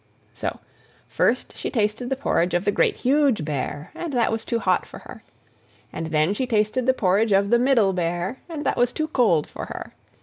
So first she tasted the porridge of the Great, Huge Bear, and that was too hot for her. And then she tasted the porridge of the Middle Bear, and that was too cold for her.